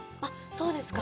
そうですか？